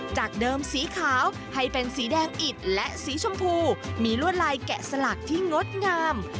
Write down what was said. จากเดิมสีขาวให้เป็นสีแดงอิดและสีชมพูมีลวดลายแกะสลักที่งดงาม